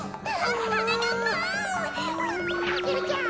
アゲルちゃん